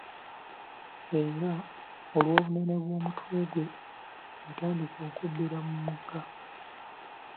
Era, olw'obunene bw'omutwe gwe , yatandika okubbira mu mugga.